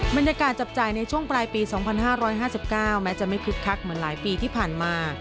บรรยากาศจับจ่ายในช่วงปลายปี๒๕๕๙แม้จะไม่คึกคักเหมือนหลายปีที่ผ่านมา